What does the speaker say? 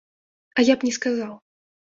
А я б не сказаў.